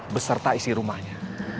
beserta isi rumahnya